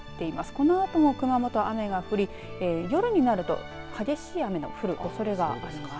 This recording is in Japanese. このあとも熊本、雨が降り夜になると激しい雨の降るおそれがあります。